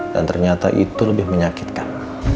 dan ternyata itu lebih menyakitkan